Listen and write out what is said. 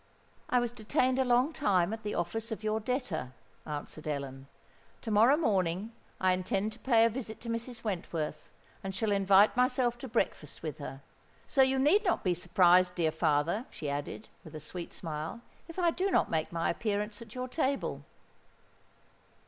"I was detained a long time at the office of your debtor," answered Ellen. "To morrow morning I intend to pay a visit to Mrs. Wentworth, and shall invite myself to breakfast with her. So you need not be surprised, dear father," she added, with a sweet smile, "if I do not make my appearance at your table."